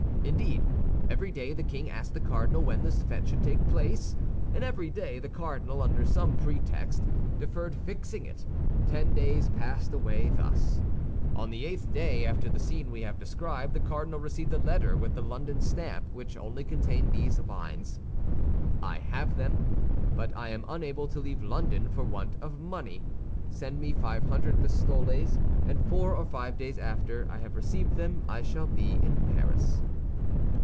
Indeed, every day the king asked the cardinal when this fête should take place; and every day the cardinal, under some pretext, deferred fixing it. Ten days passed away thus. On the eighth day after the scene we have described, the cardinal received a letter with the London stamp which only contained these lines: "I have them; but I am unable to leave London for want of money. Send me five hundred pistoles, and four or five days after I have received them I shall be in Paris."